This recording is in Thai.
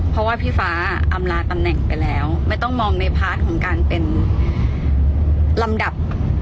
เพราะว่าพี่ฟ้าอำลาตำแหน่งไปแล้วไม่ต้องมองในพาร์ทของการเป็นลำดับ